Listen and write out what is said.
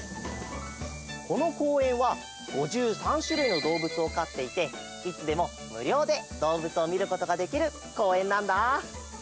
このこうえんは５３しゅるいのどうぶつをかっていていつでもむりょうでどうぶつをみることができるこうえんなんだ。